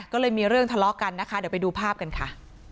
ก็เลยมีเรื่องทะเลาะกันนะคะเดี๋ยวไปดูภาพกันค่ะ